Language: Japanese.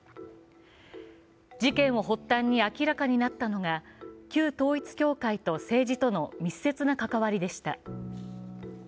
事件を発端に明らかになったのが、旧統一教会と政治との密接な関わりでした。